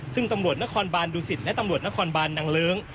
ซึ่งตำรวจนครบานดุสิตและตำรวจนครบานนางเลิ้ง